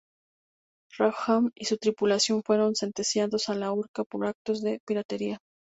Rackham y su tripulación fueron sentenciados a la horca por actos de piratería.